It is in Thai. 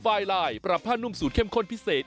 ไฟลายปรับผ้านุ่มสูตรเข้มข้นพิเศษ